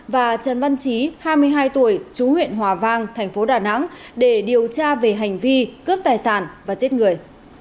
và trần văn trí hai mươi hai tuổi chú huyện hòa vang thành phố đà nẵng để điều tra về hành vi cướp tài sản và giết người